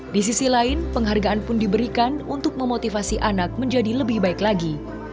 di sisi lain penghargaan pun diberikan untuk memotivasi anak menjadi lebih baik lagi